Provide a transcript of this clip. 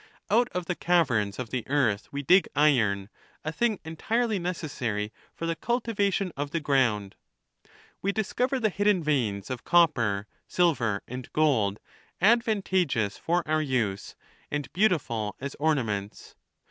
Out of the caverns of the earth we dig iron, a thing entirely necessary for the cultivation of the ground. We discover the hidden veins of copper, silver, and gold, advantageous for our usu and beautiful as orna ments.